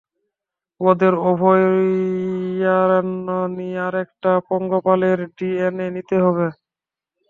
ওদের অভয়ারণ্যে গিয়ে আরেকটা পঙ্গপালের ডিএনএ নিতে হবে।